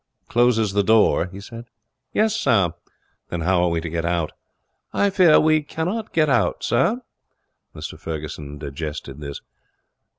'Closes the door?' he said. 'Yes, sir.' 'Then how are we to get out?' 'I fear we cannot get out, sir.' Mr Ferguson digested this.